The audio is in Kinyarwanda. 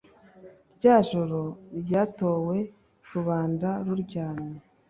ryajoro ryatowe rubanda ruryamye